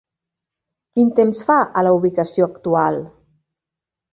Quin temps fa a la ubicació actual?